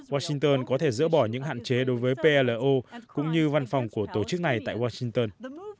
washington có thể dỡ bỏ những hạn chế đối với plo cũng như văn phòng của tổ chức này tại washington